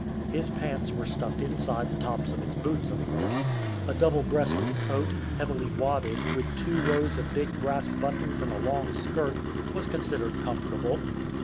His pants were stuffed inside the tops of his boots, of course. A double breasted coat, heavily wadded, with two rows of big brass buttons and a long skirt, was considered comfortable.